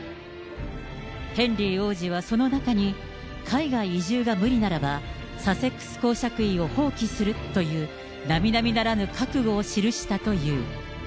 ヘンリー王子はその中に、海外移住が無理ならば、サセックス公爵位を放棄するという、並々ならぬ覚悟を記したという。